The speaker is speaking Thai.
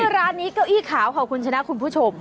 ร้านนี้เก้าอี้ขาวค่ะคุณชนะคุณผู้ชม